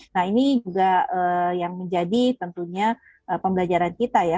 nah ini juga yang menjadi tentunya pembelajaran kita ya